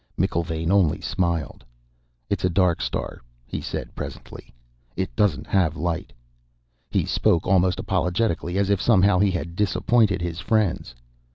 McIlvaine only smiled. "It's a dark star," he said presently. "It doesn't have light." He spoke almost apologetically, as if somehow he had disappointed his friends.